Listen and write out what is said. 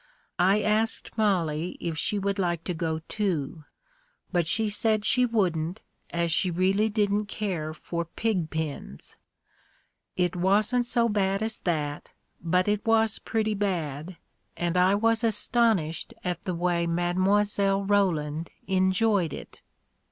I asked Mollie if she wouldn't like to go, too; but she said she wouldn't, as she really didn't care for pig pens. It wasn't so bad as that, but it was pretty bad, and I was astonished at the way Mile. Roland enjoyed it.